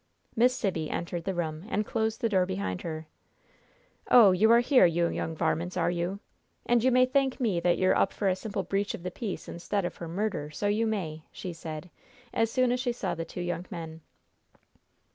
Miss Sibby entered the room, and closed the door behind her. "Oh, you are here, you young varmints, are you? And you may thank me that you're up for a simple breach of the peace, instead of for murder, so you may!" she said, as soon as she saw the two young men.